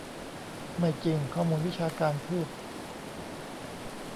ไม่จริง ข้อมูลวิชาการ พืช